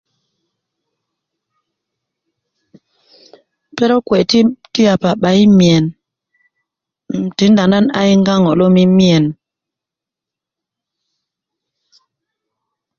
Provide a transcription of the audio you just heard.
perok kuwe' ti yapa 'bayi miyen tinda nan a yiŋga miyen